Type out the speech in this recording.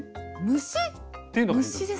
虫？っていうのがヒントですね。